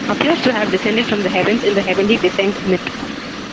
Appears to have descended from the heavens in the heavenly descent myth.